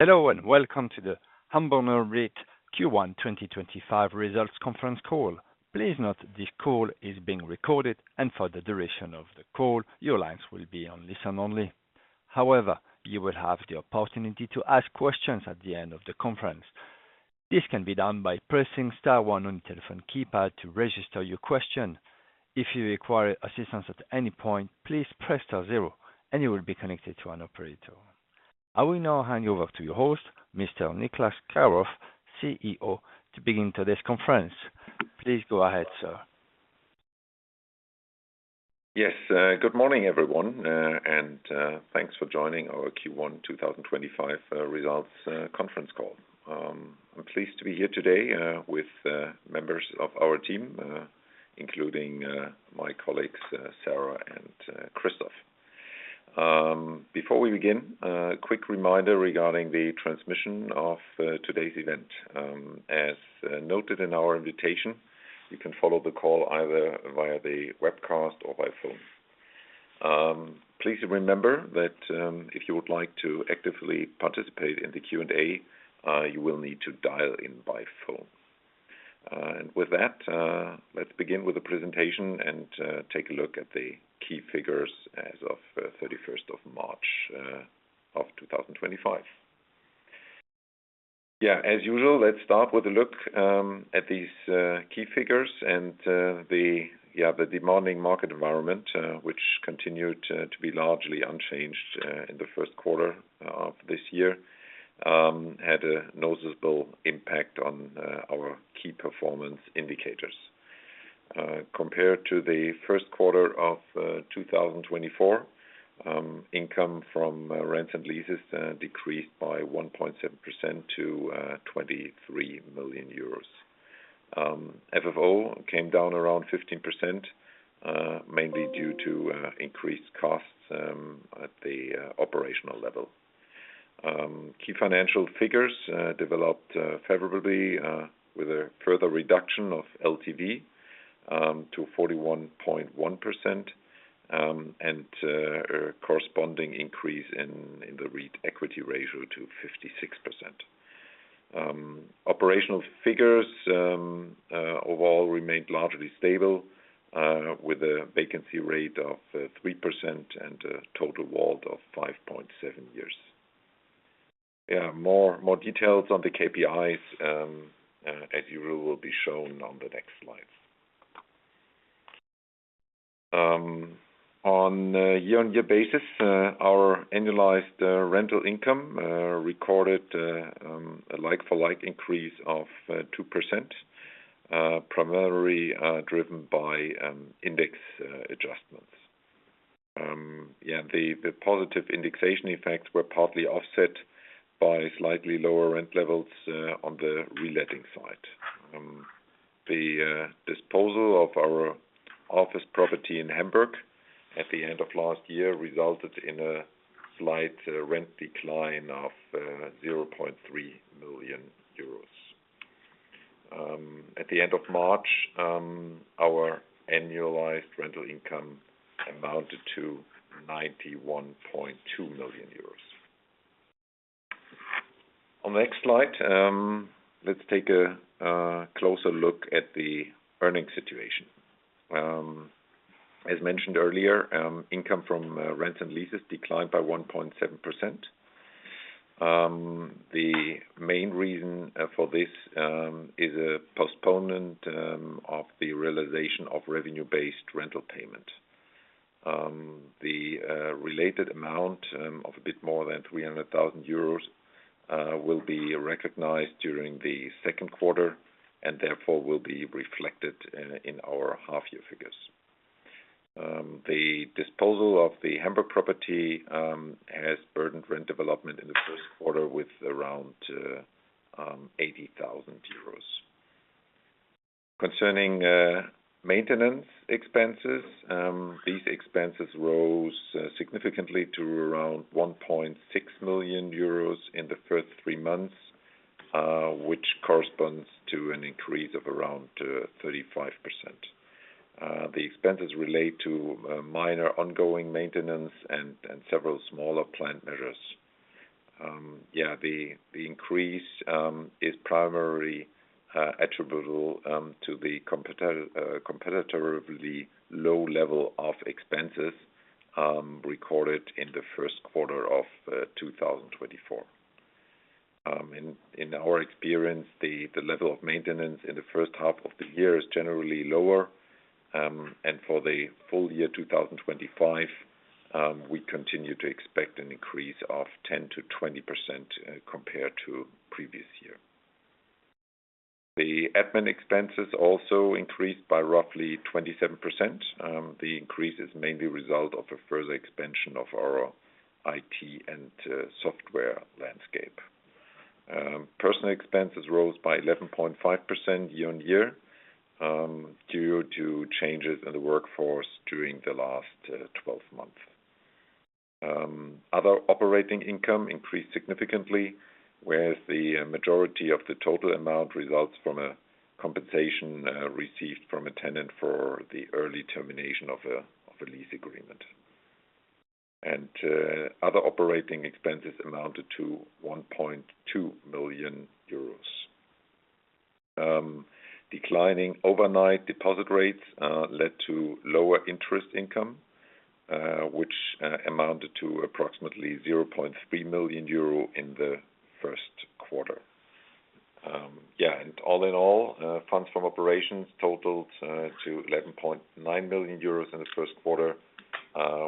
Hello, and welcome to the Hamborner REIT Q1 2025 results conference call. Please note this call is being recorded, and for the duration of the call, your lines will be on listen only. However, you will have the opportunity to ask questions at the end of the conference. This can be done by pressing star one on the telephone keypad to register your question. If you require assistance at any point, please press star zero, and you will be connected to an operator. I will now hand over to your host, Mr. Niclas Karoff, CEO, to begin today's conference. Please go ahead, sir. Yes, good morning, everyone, and thanks for joining our Q1 2025 results conference call. I'm pleased to be here today with members of our team, including my colleagues, Sarah and Christoph. Before we begin, a quick reminder regarding the transmission of today's event. As noted in our invitation, you can follow the call either via the webcast or by phone. Please remember that if you would like to actively participate in the Q&A, you will need to dial in by phone. With that, let's begin with the presentation and take a look at the key figures as of 31st of March of 2025. Yeah, as usual, let's start with a look at these key figures and the demanding market environment, which continued to be largely unchanged in the first quarter of this year, had a noticeable impact on our key performance indicators. Compared to the first quarter of 2024, income from rents and leases decreased by 1.7% to 23 million euros. FFO came down around 15%, mainly due to increased costs at the operational level. Key financial figures developed favorably with a further reduction of LTV to 41.1% and a corresponding increase in the REIT equity ratio to 56%. Operational figures overall remained largely stable with a vacancy rate of 3% and a total WALT of 5.7 years. Yeah, more details on the KPIs, as usual, will be shown on the next slides. On a year-on-year basis, our annualized rental income recorded a like-for-like increase of 2%, primarily driven by index adjustments. Yeah, the positive indexation effects were partly offset by slightly lower rent levels on the reletting side. The disposal of our office property in Hamburg at the end of last year resulted in a slight rent decline of 0.3 million euros. At the end of March, our annualized rental income amounted to 91.2 million euros. On the next slide, let's take a closer look at the earnings situation. As mentioned earlier, income from rents and leases declined by 1.7%. The main reason for this is a postponement of the realization of revenue-based rental payment. The related amount of a bit more than 300,000 euros will be recognized during the second quarter and therefore will be reflected in our half-year figures. The disposal of the Hamburg property has burdened rent development in the first quarter with around 80,000 euros. Concerning maintenance expenses, these expenses rose significantly to around 1.6 million euros in the first three months, which corresponds to an increase of around 35%. The expenses relate to minor ongoing maintenance and several smaller plant measures. Yeah, the increase is primarily attributable to the competitively low level of expenses recorded in the first quarter of 2024. In our experience, the level of maintenance in the first half of the year is generally lower, and for the full year 2025, we continue to expect an increase of 10%-20% compared to the previous year. The admin expenses also increased by roughly 27%. The increase is mainly a result of a further expansion of our IT and software landscape. Personnel expenses rose by 11.5% year-on-year due to changes in the workforce during the last 12 months. Other operating income increased significantly, whereas the majority of the total amount results from a compensation received from a tenant for the early termination of a lease agreement. Other operating expenses amounted to 1.2 million euros. Declining overnight deposit rates led to lower interest income, which amounted to approximately 0.3 million euro in the first quarter. Yeah, all in all, funds from operations totaled 11.9 million euros in the first quarter,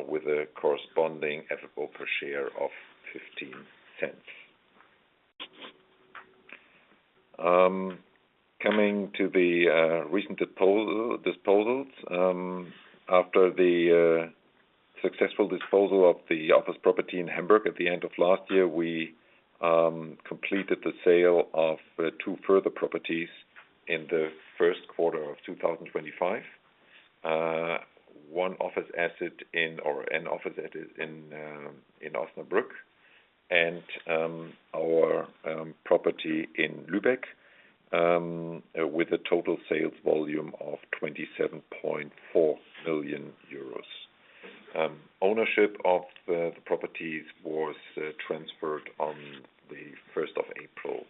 with a corresponding FFO per share of 0.15. Coming to the recent disposals, after the successful disposal of the office property in Hamburg at the end of last year, we completed the sale of two further properties in the first quarter of 2025: one office asset in Osnabrück and our property in Lübeck, with a total sales volume of 27.4 million euros. Ownership of the properties was transferred on the 1st of April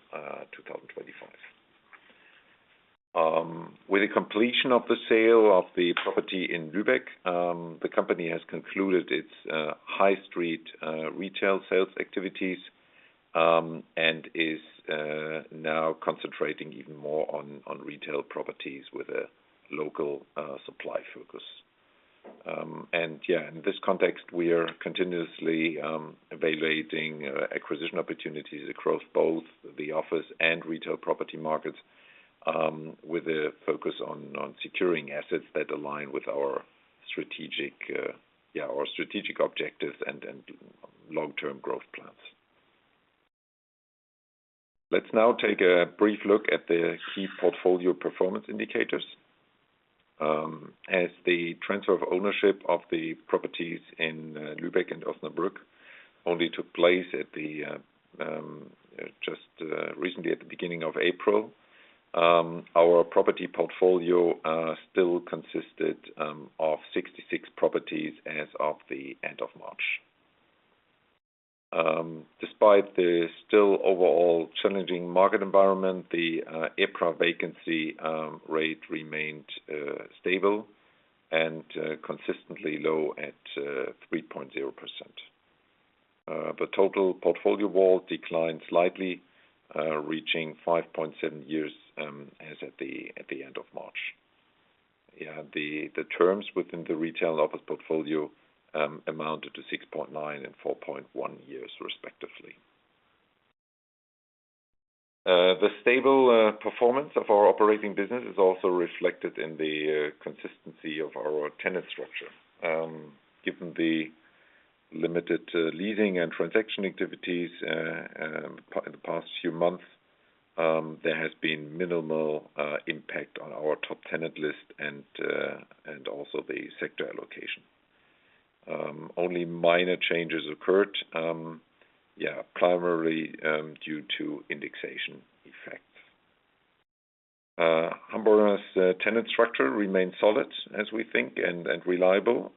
2025. With the completion of the sale of the property in Lübeck, the company has concluded its high-street retail sales activities and is now concentrating even more on retail properties with a local supply focus. Yeah, in this context, we are continuously evaluating acquisition opportunities across both the office and retail property markets, with a focus on securing assets that align with our strategic objectives and long-term growth plans. Let's now take a brief look at the key portfolio performance indicators. As the transfer of ownership of the properties in Lübeck and Osnabrück only took place just recently at the beginning of April, our property portfolio still consisted of 66 properties as of the end of March. Despite the still overall challenging market environment, the EPRA vacancy rate remained stable and consistently low at 3.0%. The total portfolio WALT declined slightly, reaching 5.7 years as at the end of March. Yeah, the terms within the retail office portfolio amounted to 6.9 and 4.1 years, respectively. The stable performance of our operating business is also reflected in the consistency of our tenant structure. Given the limited leasing and transaction activities in the past few months, there has been minimal impact on our top tenant list and also the sector allocation. Only minor changes occurred, yeah, primarily due to indexation effects. Hamborner's tenant structure remains solid, as we think, and reliable,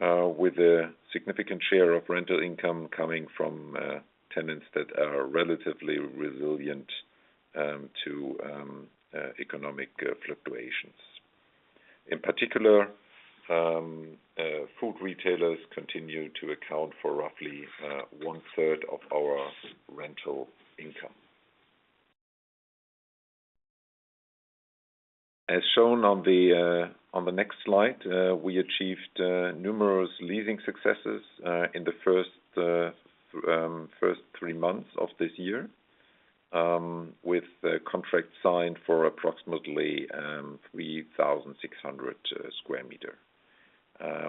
with a significant share of rental income coming from tenants that are relatively resilient to economic fluctuations. In particular, food retailers continue to account for roughly one-third of our rental income. As shown on the next slide, we achieved numerous leasing successes in the first three months of this year, with contracts signed for approximately 3,600 sq m,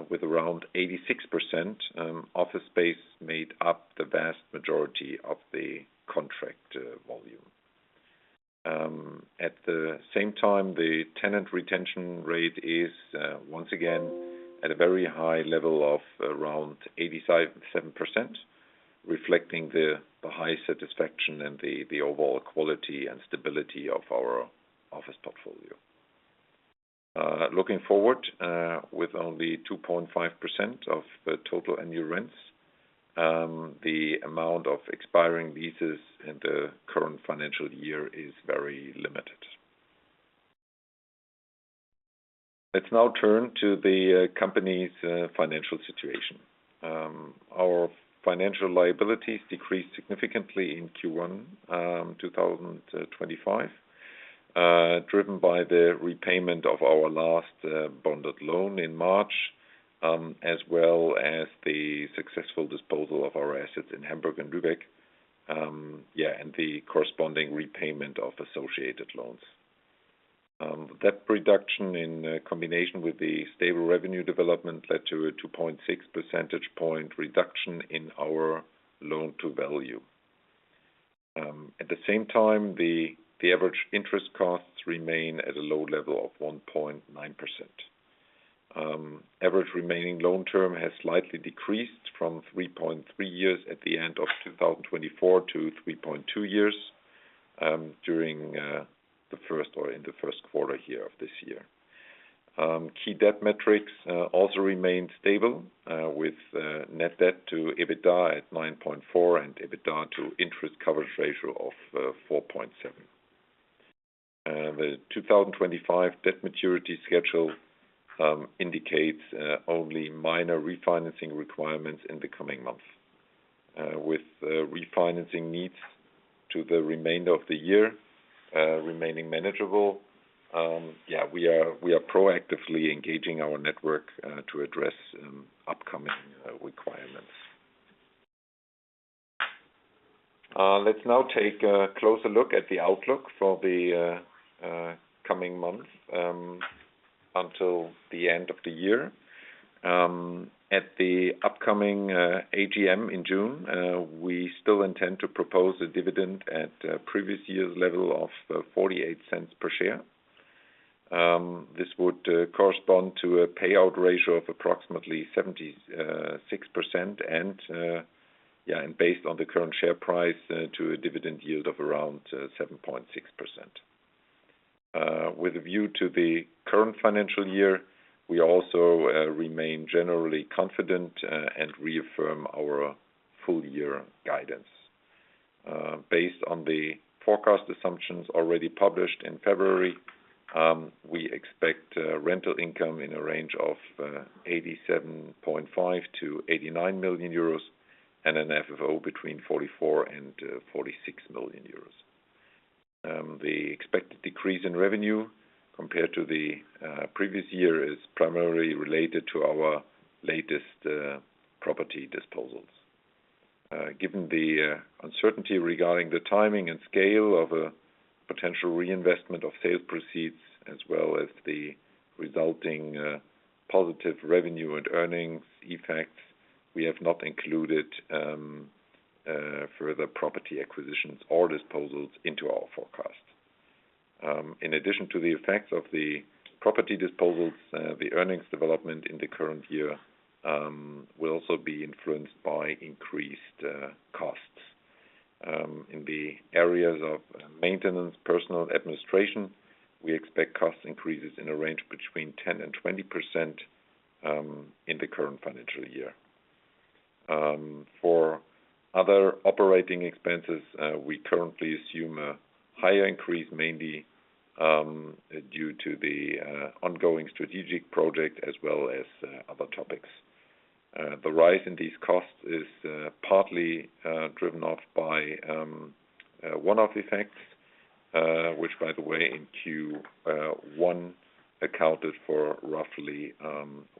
with around 86% office space made up the vast majority of the contract volume. At the same time, the tenant retention rate is once again at a very high level of around 87%, reflecting the high satisfaction and the overall quality and stability of our office portfolio. Looking forward, with only 2.5% of total annual rents, the amount of expiring leases in the current financial year is very limited. Let's now turn to the company's financial situation. Our financial liabilities decreased significantly in Q1 2025, driven by the repayment of our last bonded loan in March, as well as the successful disposal of our assets in Hamburg and Lübeck, yeah, and the corresponding repayment of associated loans. That reduction in combination with the stable revenue development led to a 2.6 percentage point reduction in our loan-to-value. At the same time, the average interest costs remain at a low level of 1.9%. Average remaining loan term has slightly decreased from 3.3 years at the end of 2024 to 3.2 years during the first or in the first quarter here of this year. Key debt metrics also remain stable, with net debt to EBITDA at 9.4 and EBITDA to interest coverage ratio of 4.7. The 2025 debt maturity schedule indicates only minor refinancing requirements in the coming month, with refinancing needs to the remainder of the year remaining manageable. Yeah, we are proactively engaging our network to address upcoming requirements. Let's now take a closer look at the outlook for the coming months until the end of the year. At the upcoming AGM in June, we still intend to propose a dividend at previous year's level of 0.48 per share. This would correspond to a payout ratio of approximately 76% and, yeah, and based on the current share price to a dividend yield of around 7.6%. With a view to the current financial year, we also remain generally confident and reaffirm our full-year guidance. Based on the forecast assumptions already published in February, we expect rental income in a range of 87.5-89 million euros and an FFO between 44-46 million euros. The expected decrease in revenue compared to the previous year is primarily related to our latest property disposals. Given the uncertainty regarding the timing and scale of a potential reinvestment of sales proceeds, as well as the resulting positive revenue and earnings effects, we have not included further property acquisitions or disposals into our forecast. In addition to the effects of the property disposals, the earnings development in the current year will also be influenced by increased costs. In the areas of maintenance, personnel, and administration, we expect cost increases in a range between 10%-20% in the current financial year. For other operating expenses, we currently assume a higher increase, mainly due to the ongoing strategic project as well as other topics. The rise in these costs is partly driven off by one-off effects, which, by the way, in Q1 accounted for roughly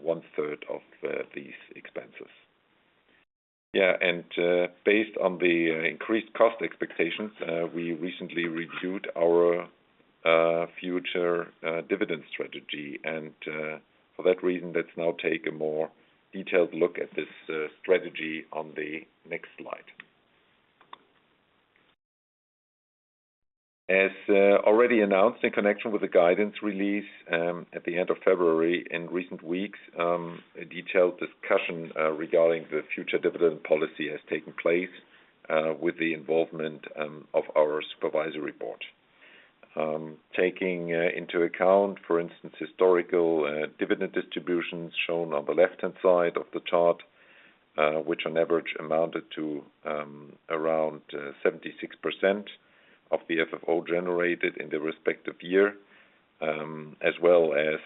one-third of these expenses. Yeah, and based on the increased cost expectations, we recently reviewed our future dividend strategy, and for that reason, let's now take a more detailed look at this strategy on the next slide. As already announced in connection with the guidance release at the end of February, in recent weeks, a detailed discussion regarding the future dividend policy has taken place with the involvement of our supervisory board. Taking into account, for instance, historical dividend distributions shown on the left-hand side of the chart, which on average amounted to around 76% of the FFO generated in the respective year, as well as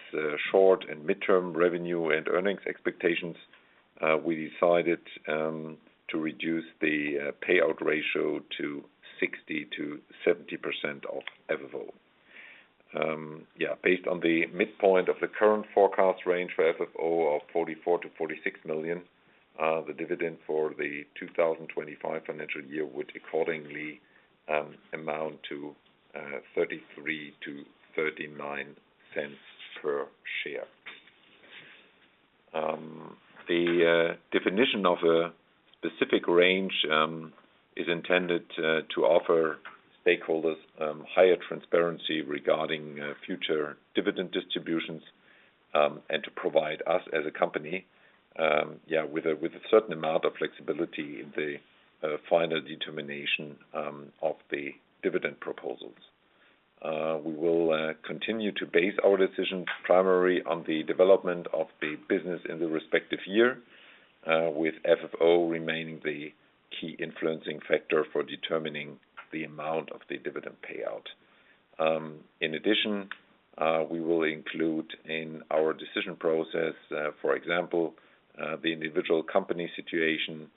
short and midterm revenue and earnings expectations, we decided to reduce the payout ratio to 60%-70% of FFO. Yeah, based on the midpoint of the current forecast range for FFO of 44 million-46 million, the dividend for the 2025 financial year would accordingly amount to 0.33-0.39 per share. The definition of a specific range is intended to offer stakeholders higher transparency regarding future dividend distributions and to provide us as a company, yeah, with a certain amount of flexibility in the final determination of the dividend proposals. We will continue to base our decisions primarily on the development of the business in the respective year, with FFO remaining the key influencing factor for determining the amount of the dividend payout. In addition, we will include in our decision process, for example, the individual company situation,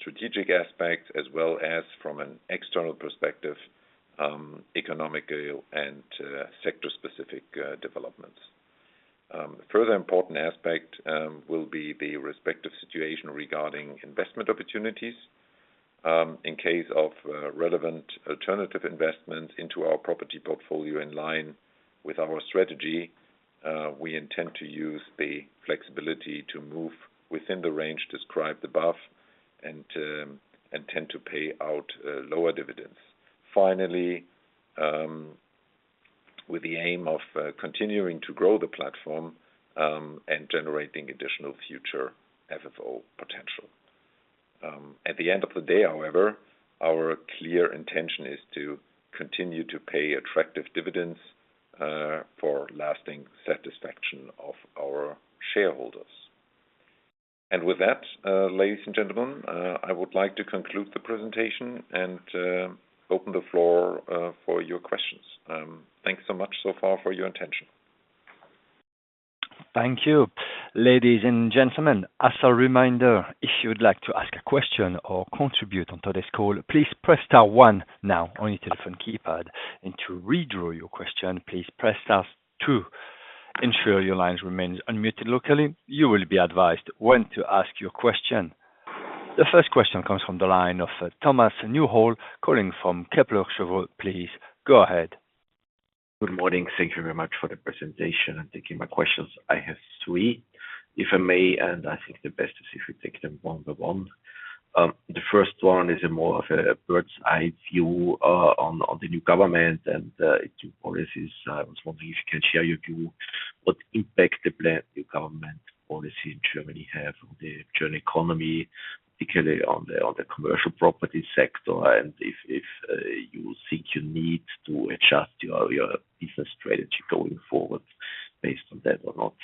strategic aspects, as well as, from an external perspective, economic and sector-specific developments. A further important aspect will be the respective situation regarding investment opportunities. In case of relevant alternative investments into our property portfolio in line with our strategy, we intend to use the flexibility to move within the range described above and tend to pay out lower dividends. Finally, with the aim of continuing to grow the platform and generating additional future FFO potential. At the end of the day, however, our clear intention is to continue to pay attractive dividends for lasting satisfaction of our shareholders. With that, ladies and gentlemen, I would like to conclude the presentation and open the floor for your questions. Thanks so much so far for your attention. Thank you, ladies and gentlemen. As a reminder, if you would like to ask a question or contribute on today's call, please press star one now on your telephone keypad, and to withdraw your question, please press star two. Ensure your lines remain unmuted locally. You will be advised when to ask your question. The first question comes from the line of Thomas Neuhold calling from Kepler Cheuvreux. Please go ahead. Good morning. Thank you very much for the presentation. I'm taking my questions. I have three, if I may, and I think the best is if we take them one by one. The first one is more of a bird's-eye view on the new government and its new policies. I was wondering if you can share your view on what impact the new government policy in Germany has on the German economy, particularly on the commercial property sector, and if you think you need to adjust your business strategy going forward based on that or not.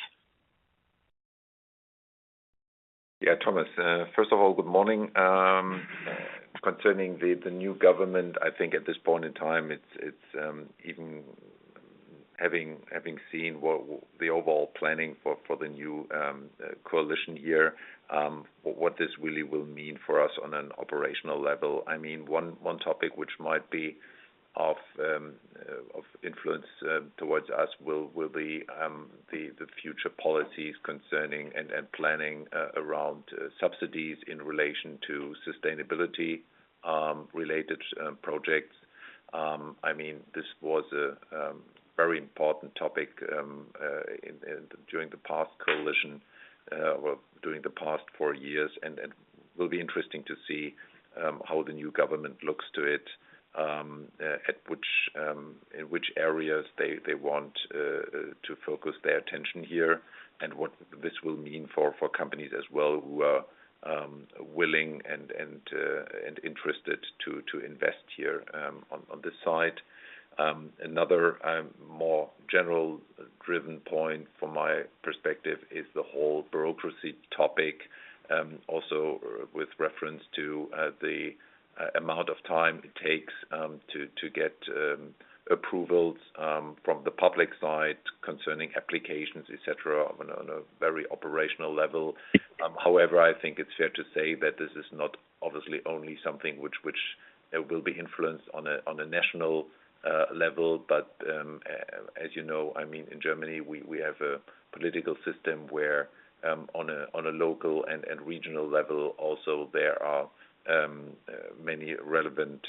Yeah, Thomas, first of all, good morning. Concerning the new government, I think at this point in time, it's even having seen the overall planning for the new coalition year, what this really will mean for us on an operational level. I mean, one topic which might be of influence towards us will be the future policies concerning and planning around subsidies in relation to sustainability-related projects. I mean, this was a very important topic during the past coalition or during the past four years, and it will be interesting to see how the new government looks to it, in which areas they want to focus their attention here, and what this will mean for companies as well who are willing and interested to invest here on this side. Another more general-driven point, from my perspective, is the whole bureaucracy topic, also with reference to the amount of time it takes to get approvals from the public side concerning applications, etc., on a very operational level. However, I think it's fair to say that this is not obviously only something which will be influenced on a national level, but as you know, I mean, in Germany, we have a political system where, on a local and regional level, also there are many relevant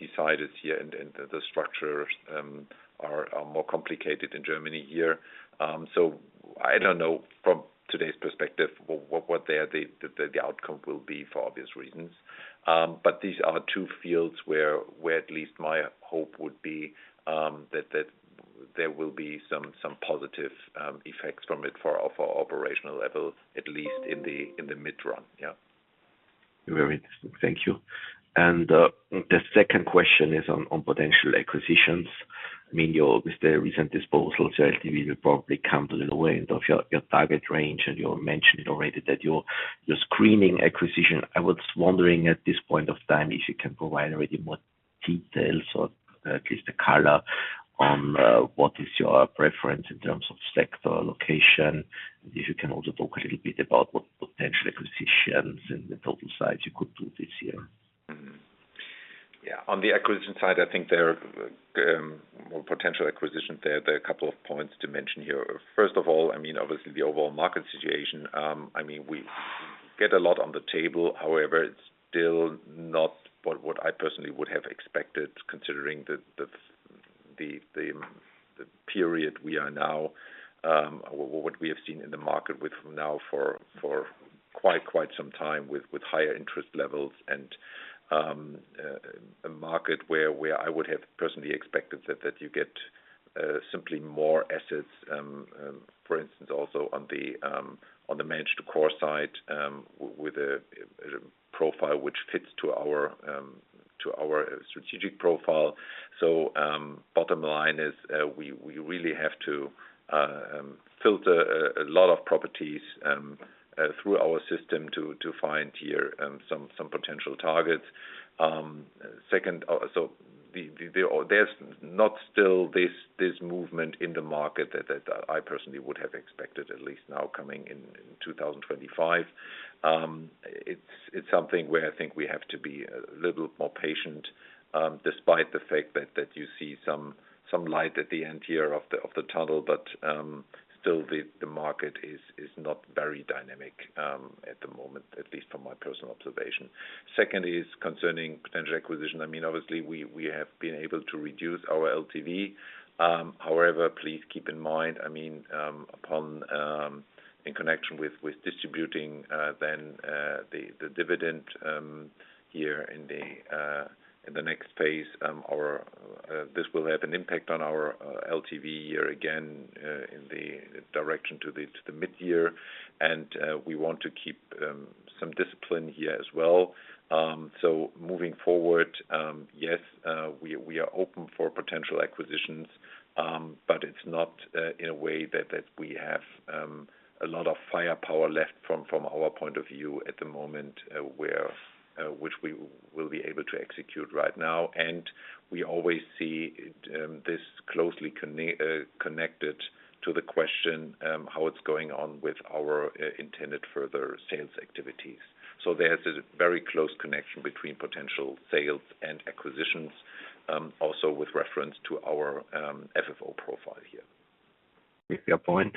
deciders here, and the structures are more complicated in Germany here. I don't know, from today's perspective, what the outcome will be for obvious reasons, but these are two fields where at least my hope would be that there will be some positive effects from it for our operational level, at least in the mid-run. Yeah. Very interesting. Thank you. The second question is on potential acquisitions. I mean, with the recent disposals, you're likely to probably come to the lower end of your target range, and you mentioned already that you're screening acquisition. I was wondering at this point of time if you can provide already more details or at least a color on what is your preference in terms of sector, location, and if you can also talk a little bit about what potential acquisitions and the total size you could do this year. Yeah. On the acquisition side, I think there are more potential acquisitions there. There are a couple of points to mention here. First of all, I mean, obviously, the overall market situation. I mean, we get a lot on the table. However, it's still not what I personally would have expected considering the period we are now, what we have seen in the market with now for quite some time with higher interest levels and a market where I would have personally expected that you get simply more assets, for instance, also on the managed core side with a profile which fits to our strategic profile. Bottom line is we really have to filter a lot of properties through our system to find here some potential targets. Second, there's not still this movement in the market that I personally would have expected, at least now coming in 2025. It's something where I think we have to be a little more patient despite the fact that you see some light at the end here of the tunnel, but still the market is not very dynamic at the moment, at least from my personal observation. Second is concerning potential acquisition. I mean, obviously, we have been able to reduce our LTV. However, please keep in mind, I mean, in connection with distributing then the dividend here in the next phase, this will have an impact on our LTV year again in the direction to the mid-year, and we want to keep some discipline here as well. Moving forward, yes, we are open for potential acquisitions, but it's not in a way that we have a lot of firepower left from our point of view at the moment, which we will be able to execute right now. We always see this closely connected to the question how it's going on with our intended further sales activities. There is a very close connection between potential sales and acquisitions, also with reference to our FFO profile here. With your point.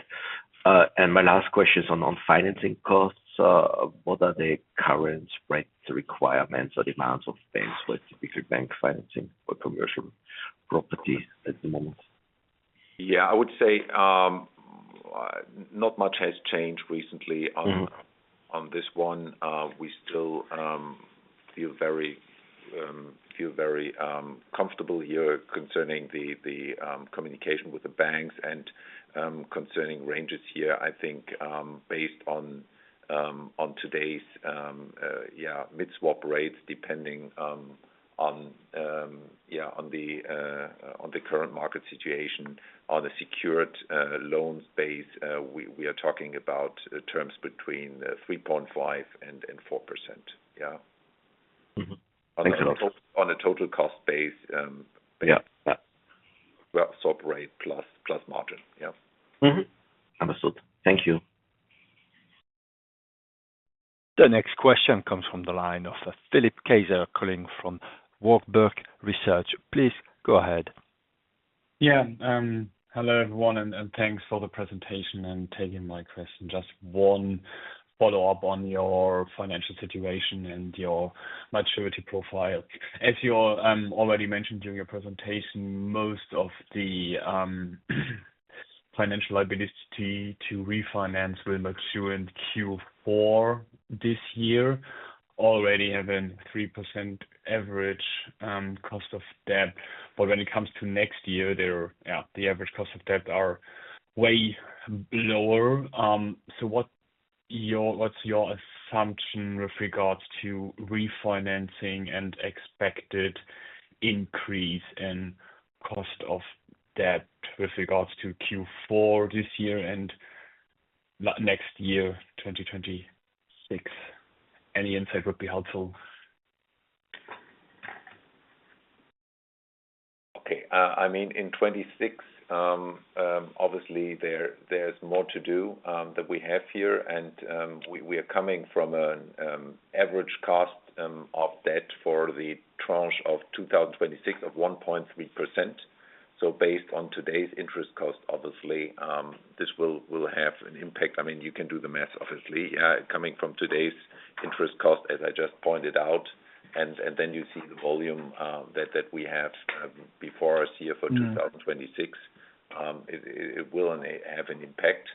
My last question is on financing costs. What are the current requirements or demands of banks for typical bank financing for commercial property at the moment? I would say not much has changed recently on this one. We still feel very comfortable here concerning the communication with the banks and concerning ranges here. I think based on today's mid-swap rates, depending on the current market situation, on a secured loan space, we are talking about terms between 3.5%-4%. On a total cost base, swap rate plus margin. Understood. Thank you. The next question comes from the line of Philipp Kaiser calling from Warburg Research. Please go ahead. Yeah. Hello, everyone, and thanks for the presentation and taking my question. Just one follow-up on your financial situation and your maturity profile. As you already mentioned during your presentation, most of the financial liability to refinance will mature in Q4 this year, already having 3% average cost of debt. When it comes to next year, yeah, the average cost of debt are way lower. What's your assumption with regards to refinancing and expected increase in cost of debt with regards to Q4 this year and next year, 2026? Any insight would be helpful. Okay. I mean, in 2026, obviously, there's more to do that we have here, and we are coming from an average cost of debt for the tranche of 2026 of 1.3%. Based on today's interest cost, obviously, this will have an impact. I mean, you can do the math, obviously, coming from today's interest cost, as I just pointed out, and then you see the volume that we have before us here for 2026. It will have an impact.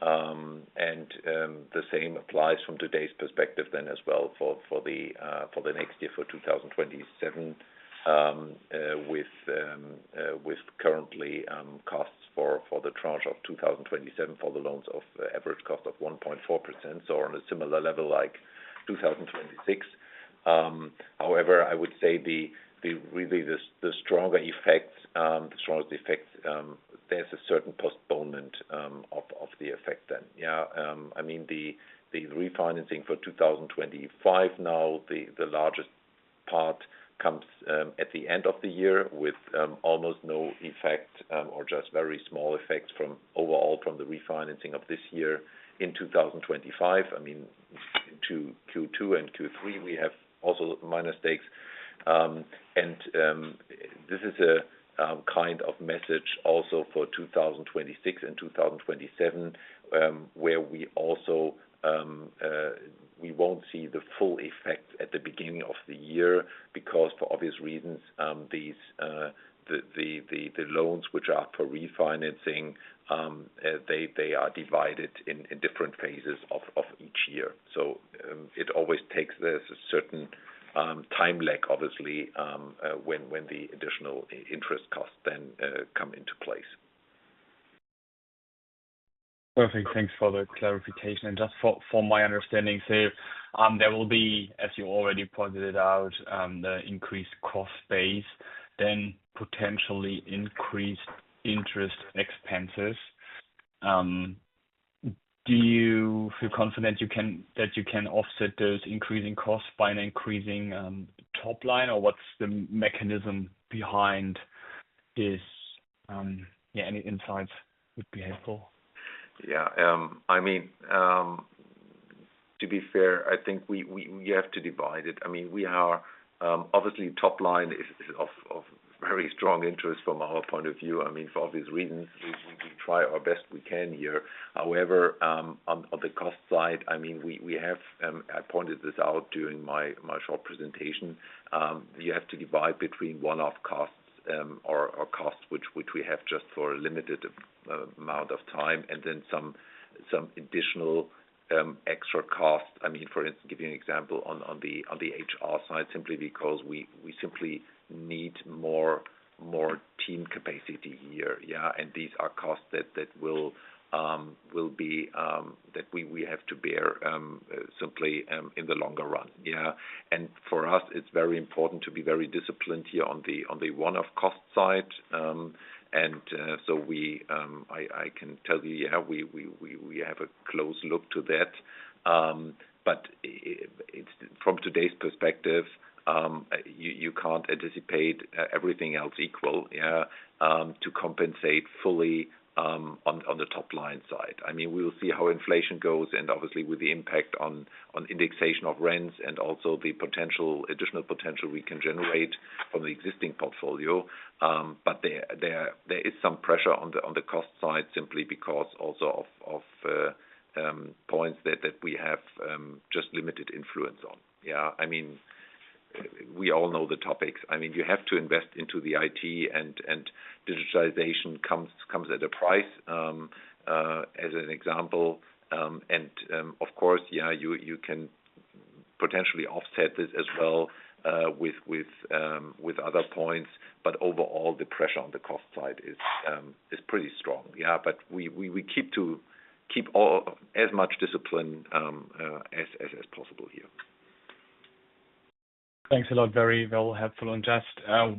The same applies from today's perspective then as well for the next year for 2027, with currently costs for the tranche of 2027 for the loans of average cost of 1.4%, so on a similar level like 2026. However, I would say the stronger effect, the strongest effect, there's a certain postponement of the effect then. Yeah. I mean, the refinancing for 2025 now, the largest part comes at the end of the year with almost no effect or just very small effects overall from the refinancing of this year in 2025. I mean, to Q2 and Q3, we have also minor stakes. This is a kind of message also for 2026 and 2027, where we also will not see the full effect at the beginning of the year because, for obvious reasons, the loans which are up for refinancing, they are divided in different phases of each year. It always takes a certain time lag, obviously, when the additional interest costs then come into place. Perfect. Thanks for the clarification. Just for my understanding, there will be, as you already pointed out, the increased cost base, then potentially increased interest expenses. Do you feel confident that you can offset those increasing costs by an increasing top line, or what is the mechanism behind this? Yeah, any insights would be helpful. Yeah. I mean, to be fair, I think we have to divide it. I mean, obviously, top line is of very strong interest from our point of view. I mean, for obvious reasons, we try our best we can here. However, on the cost side, I mean, we have—I pointed this out during my short presentation—you have to divide between one-off costs or costs which we have just for a limited amount of time, and then some additional extra cost. I mean, for instance, giving an example on the HR side, simply because we simply need more team capacity here. Yeah. And these are costs that we have to bear simply in the longer run. Yeah. For us, it's very important to be very disciplined here on the one-off cost side. I can tell you, yeah, we have a close look to that. From today's perspective, you can't anticipate everything else equal, yeah, to compensate fully on the top line side. I mean, we will see how inflation goes and obviously with the impact on indexation of rents and also the additional potential we can generate from the existing portfolio. There is some pressure on the cost side simply because also of points that we have just limited influence on. Yeah. I mean, we all know the topics. I mean, you have to invest into the IT, and digitalization comes at a price, as an example. Of course, yeah, you can potentially offset this as well with other points, but overall, the pressure on the cost side is pretty strong. Yeah. We keep to keep as much discipline as possible here. Thanks a lot. Very helpful. Just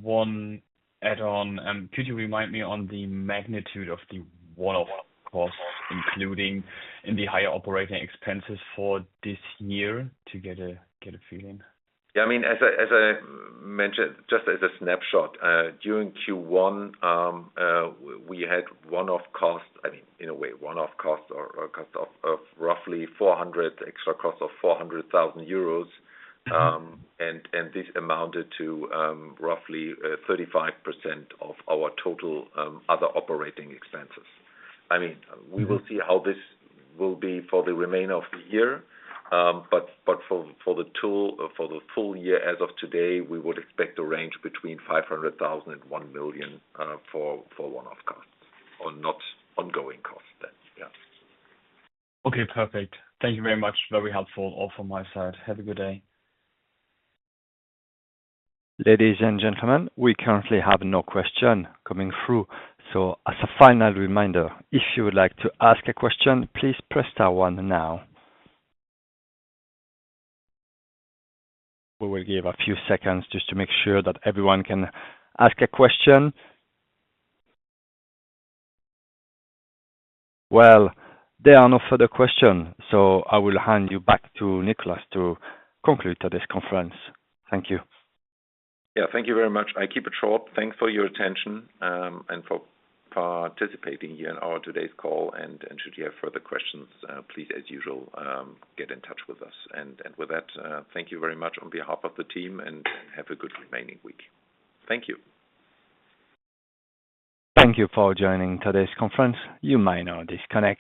one add-on. Could you remind me on the magnitude of the one-off cost, including in the higher operating expenses for this year, to get a feeling? Yeah. I mean, as I mentioned, just as a snapshot, during Q1, we had one-off costs—I mean, in a way, one-off costs or cost of roughly extra cost of EUR 400,000—and this amounted to roughly 35% of our total other operating expenses. I mean, we will see how this will be for the remainder of the year, but for the full year as of today, we would expect a range between 500,000 and 1 million for one-off costs or ongoing costs then. Yeah. Okay. Perfect. Thank you very much. Very helpful all from my side. Have a good day. Ladies and gentlemen, we currently have no question coming through. As a final reminder, if you would like to ask a question, please press star one now. We will give a few seconds just to make sure that everyone can ask a question. There are no further questions, so I will hand you back to Niclas to conclude this conference. Thank you. Yeah. Thank you very much. I keep it short. Thanks for your attention and for participating here in our today's call. Should you have further questions, please, as usual, get in touch with us. With that, thank you very much on behalf of the team, and have a good remaining week. Thank you. Thank you for joining today's conference. You may now disconnect.